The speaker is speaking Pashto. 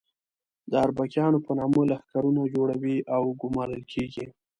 د اربکیانو په نامه لښکرونه جوړوي او ګومارل کېږي.